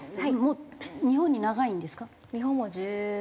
もう日本に長いんですか？